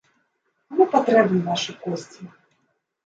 Каму патрэбны вашы косці?